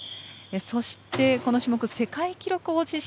そしてこの種目、世界記録保持者